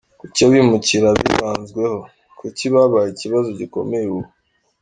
Kuki abimukira bibanzweho? Kuki babaye ikibazo gikomeye ubu?.